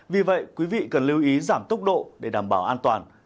vì vậy quý vị cần lưu ý giảm tốc độ để đảm bảo an toàn